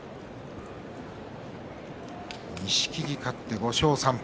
錦木、勝って５勝３敗。